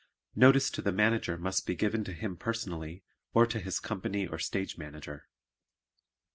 Notice to the Manager must be given to him personally or to his company or Stage Manager.